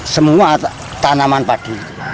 semua tanaman padi